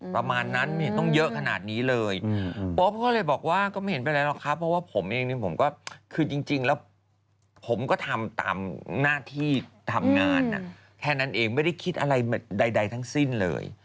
ประมาณนั้นไม่เห็นต้องเยอะขนาดนี้เลยโป๊ปก็เลยบอกว่าก็ไม่เห็นเป็นไรหรอกครับเพราะว่าผมเองนี่ผมก็คือจริงแล้วผมก็ทำตามหน้าที่ทำงานแค่นั้นเองไม่ได้คิดอะไรใดทั้งสิ้นเลย